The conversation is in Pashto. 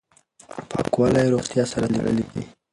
پاکوالی او روغتیا سره تړلي دي.